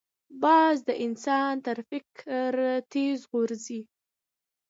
باز د انسان تر فکر تېز غورځي